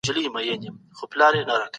هغه تر ډېره وخته په تمه پاتې سو.